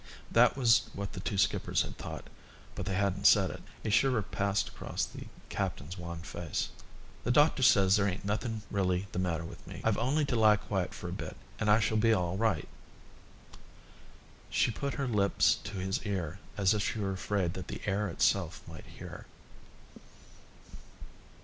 That was what the two skippers had thought, but they hadn't said it. A shiver passed across the captain's wan face. "The doctor says there ain't nothing really the matter with me. I've only to lie quiet for a bit and I shall be all right." She put her lips to his ear as if she were afraid that the air itself might hear.